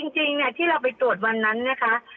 จริงที่เราไปตรวจวันนั้นนะคะ